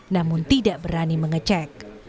namun tidak berani mengecek